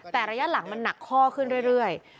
แต่ระยะหลังมันหนักข้อขึ้นเรื่อย